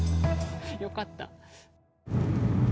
よかった。